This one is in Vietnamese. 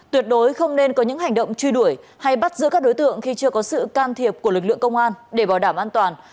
tuyệt đối không nên có những hành động truy đuổi hay bắt giữ các đối tượng khi chưa có sự can thiệp của lực lượng công an để bảo đảm an toàn